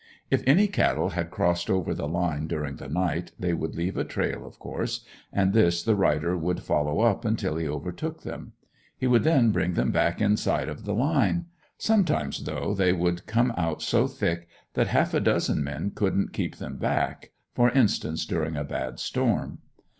If any cattle had crossed over the line during the night they would leave a trail of course, and this the rider would follow up until he overtook them. He would then bring them back inside of the line; sometimes though they would come out so thick that half a dozen men couldn't keep them back, for instance, during a bad storm.